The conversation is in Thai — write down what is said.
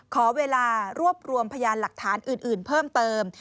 ขอเวลารวบรวมพยานหลักฐานอื่นเพิ่มเติม